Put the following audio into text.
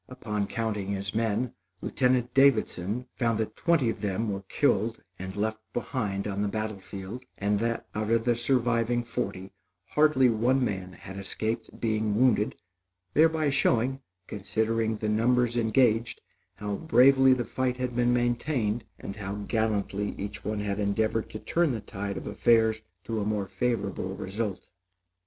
Upon counting his men, Lieutenant Davidson found that twenty of them were killed and left behind on the battle field; and that, out of the surviving forty, hardly one man had escaped being wounded, thereby showing, considering the numbers engaged, how bravely the fight had been maintained, and how gallantly each one had endeavored to turn the tide of affairs to a more favorable result.